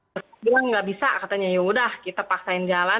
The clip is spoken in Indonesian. dia bilang gak bisa katanya yaudah kita paksain jalan